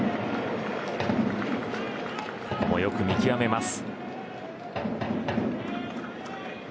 ここも、よく見極めます。